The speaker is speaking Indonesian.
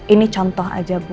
ini contoh saja bu